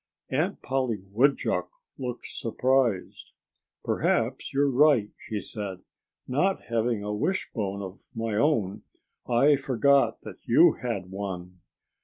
Aunt Polly Woodchuck looked surprised. "Perhaps you're right!" said she. "Not having a wishbone of my own, I forgot that you had one."